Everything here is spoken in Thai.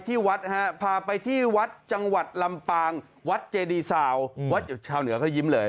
ที่วัดพาไปที่วัดจังหวัดลำปางวัดเจดีสาววัดชาวเหนือก็ยิ้ม